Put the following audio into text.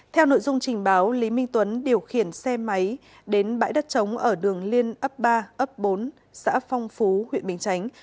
theo nội dung trình báo lý minh tuấn điều khiển xe máy đến bãi đất trống ở đường liên ấp ba ấp bốn xã phong phú huyện bình chánh